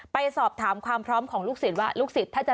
เอาเป็นว่าให้คุณผู้ชมไปฟังบทสนทนา